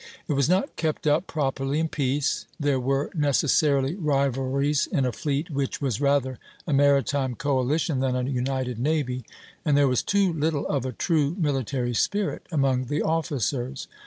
It was not kept up properly in peace, there were necessarily rivalries in a fleet which was rather a maritime coalition than a united navy, and there was too little of a true military spirit among the officers.